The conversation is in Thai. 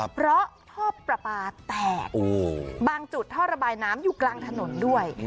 เพราะท่อปลาปลาแตกบางจุดท่อระบายน้ำอยู่กลางถนนด้วย